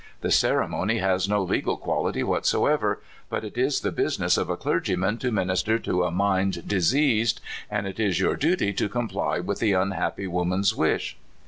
The^ ceremony has no legal quality whatever, but It IS the business of a clergyman to minister to a mind diseased, and it is your duty to comply with the unhappy woman's wish."